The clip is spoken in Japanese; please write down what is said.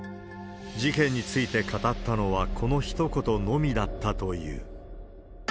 事件について語ったのは、このひと言のみだったという。